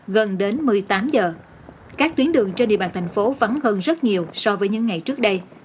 gần đến một mươi tám giờ các tuyến đường trên địa bàn thành phố vắng hơn rất nhiều so với những ngày trước đây